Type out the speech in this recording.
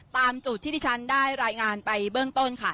ตามจุดที่ที่ฉันได้รายงานไปเบื้องต้นค่ะ